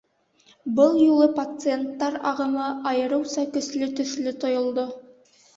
Был юлы пациенттар ағымы айырыуса көслө төҫлө тойолдо.